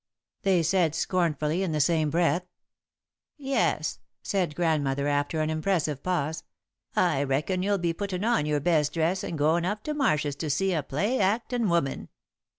they said, scornfully, in the same breath. "Yes," said Grandmother, after an impressive pause, "I reckon you'll be puttin' on your best dress and goin' up to Marshs' to see a play actin' woman."